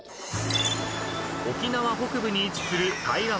［沖縄北部に位置する］